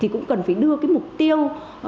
cũng cần phải đưa mục tiêu